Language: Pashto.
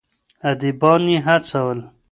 اديبان يې هڅول.